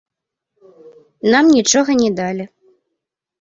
Нам нічога не далі.